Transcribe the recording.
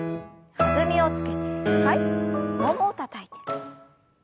弾みをつけて２回ももをたたいて。